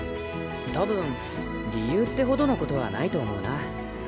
多分理由ってほどのことはないと思うな。